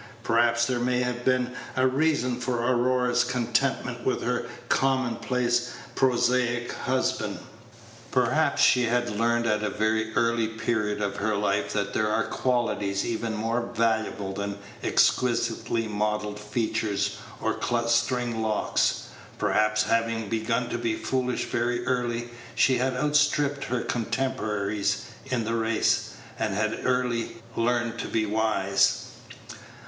Perhaps there may have been a reason for Aurora's contentment with her commonplace prosaic husband. Perhaps she had learned at a very early period of her life that there are qualities even more valuable than exquisitely modelled features or clustering locks. Perhaps, having begun to be foolish very early, she had outstripped her contemporaries in the race, and had early learned to be wise.